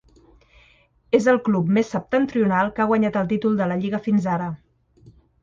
És el club més septentrional que ha guanyat el títol de la Lliga fins ara.